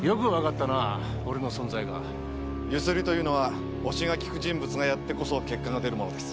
強請りというのは押しがきく人物がやってこそ結果が出るものです。